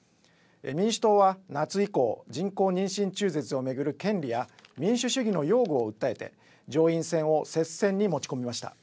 民主党は夏以降、人工妊娠中絶を巡る権利や民主主義の擁護を訴えて上院選を接戦に持ち込みました。